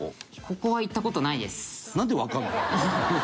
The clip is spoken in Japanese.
ここは行った事ないです。